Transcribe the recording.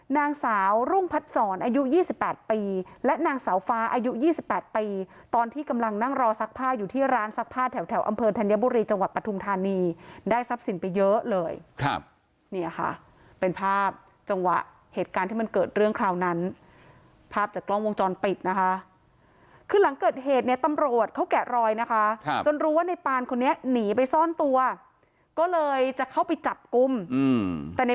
คุณสาวรุ้งพัดสอนอายุ๒๘ปีและนางสาวฟ้าอายุ๒๘ปีตอนที่กำลังนั่งรอซักผ้าอยู่ที่ร้านซักผ้าแถวอำเภอธัญบุรีจังหวัดปฐุงธานีได้ทรัพย์สินไปเยอะเลยครับนี่ค่ะเป็นภาพจังหวะเหตุการณ์ที่มันเกิดเรื่องคราวนั้นภาพจากกล้องวงจรปิดนะคะคือหลังเกิดเหตุเนี่ยตำรวจเขาแกะ